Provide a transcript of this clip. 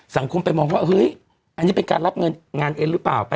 สังคมไปมองว่าเฮ้ยอันนี้เป็นการรับเงินงานเอ็นหรือเปล่า